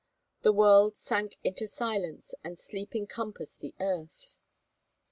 The world sank into silence and sleep encompassed the earth.